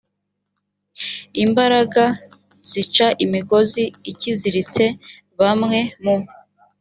imbaraga zica imigozi ikiziritse bamwe mu